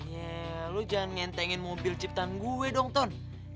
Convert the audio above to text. yel lu jangan ngentengin mobil ciptaan gue dong ton